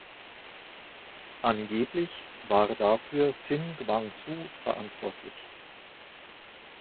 Angeblich war dafür Sin Gwang-su verantwortlich.